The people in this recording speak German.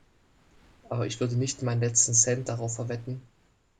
Aber ich würde nicht meinen letzten Cent darauf verwetten.